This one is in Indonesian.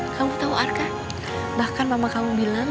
kamu tau arka bahkan mama kamu bilang